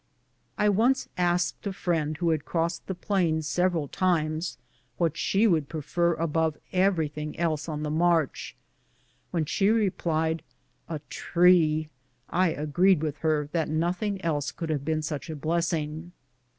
I once asked a friend who had crossed the plains several times, what she would prefer above everything else on the march. When she replied, "a tree," I agreed with her that nothing else could have been such a blessing.